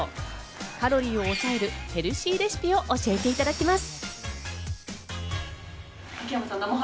カロリーを抑えるヘルシーレシピを教えていただきます。